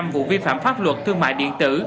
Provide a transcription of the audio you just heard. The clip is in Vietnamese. vụ vi phạm pháp luật thương mại điện tử